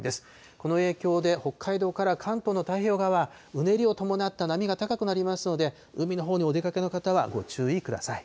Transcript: この影響で、北海道から関東の太平洋側、うねりを伴った波が高くなりますので、海のほうにお出かけの方は、ご注意ください。